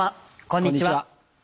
こんにちは。